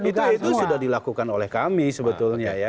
kita itu sudah dilakukan oleh kami sebetulnya ya